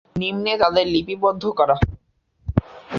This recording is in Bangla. নিম্নে তাদের লিপিবদ্ধ করা হল।